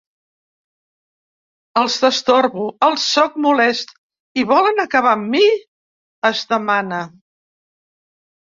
Els destorbo, els sóc molest, i volen acabar amb mi?, es demana.